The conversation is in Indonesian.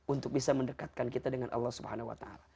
untuk bisa mendekatkan kita dengan allah subhanahu wa ta'ala